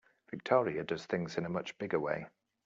Victoria does things in a much bigger way.